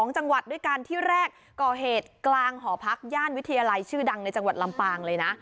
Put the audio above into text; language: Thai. ๒จังหวัดด้วยกันที่แรกก่อเหตุกลางหอพักย่านวิทยาลัยชื่อดังในจังหวัดลำปางเลยนะ